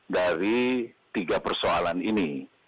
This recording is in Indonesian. dari tiga persoalan ini